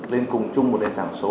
lên cùng chung một nền tảng số